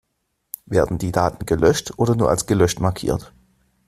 Werden die Daten gelöscht oder nur als gelöscht markiert?